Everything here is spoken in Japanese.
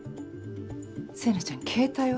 星名ちゃん携帯は？